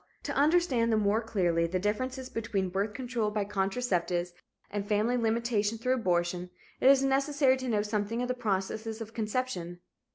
To understand the more clearly the difference between birth control by contraceptives and family limitation through abortion it is necessary to know something of the processes of conception.